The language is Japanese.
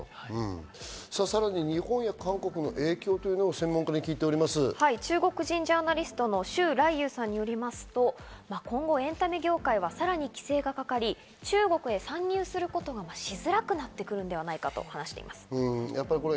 さらに日本や韓国の影響とい中国人ジャーナリストのシュウ・ライユウさんによりますと今後エンタメ業界はさらに規制がかかり、中国へ参入することがしづらくなってくるんじゃないかと話しています。